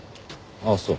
あっそう。